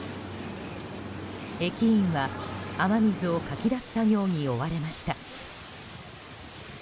駅員は、雨水をかき出す作業に追われました。